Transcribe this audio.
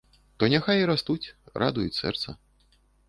То няхай і растуць, радуюць сэрца.